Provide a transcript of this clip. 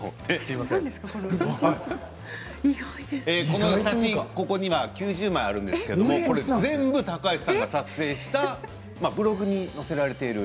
この写真ここには９０枚あるんですけどもこれ全部高橋さんが撮影したブログに載せられている。